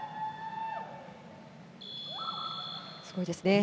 すごいですね。